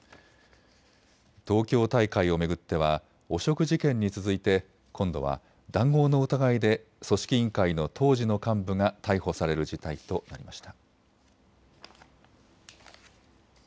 東京大会を巡っては汚職事件に続いて今度は談合の疑いで組織委員会の当時の幹部が逮捕される事態となりました。